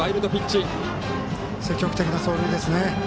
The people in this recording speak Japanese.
積極的な走塁ですね。